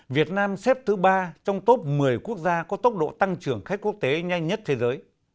việt nam xếp thứ ba trong top một mươi quốc gia có tốc độ tăng trưởng khách quốc tế nhanh nhất thế giới